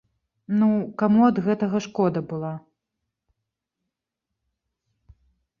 Ну, каму ад гэтага шкода была?